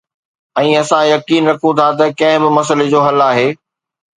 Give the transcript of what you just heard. ۽ اسان يقين رکون ٿا ته ڪنهن به مسئلي جو حل آهي